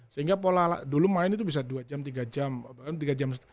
sehingga pola dulu main itu bisa dua jam tiga jam